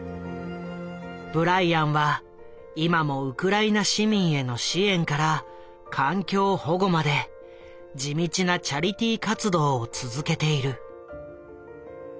ブライアンは今もウクライナ市民への支援から環境保護まで地道なチャリティー活動を続けている。